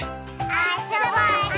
あそぼうね！